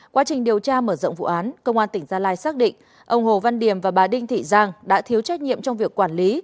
quá trình điều tra mở rộng vụ án công an tỉnh gia lai xác định ông hồ văn điểm và bà đinh thị giang đã thiếu trách nhiệm trong việc quản lý